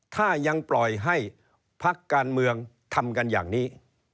ถ้ายังปล่อยให้พักการเมืองทำกันอย่างนี้